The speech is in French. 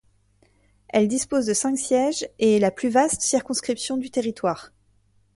Elle dispose de cinq sièges et est la plus vaste circonscription du Territoire.